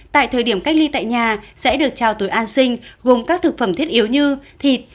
tại thời điểm cách ly tại nhà sẽ được trao túi an sinh gồm các thực phẩm thiết yếu như thịt